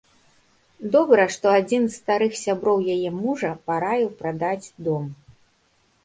Добра, што адзін з старых сяброў яе мужа параіў прадаць дом.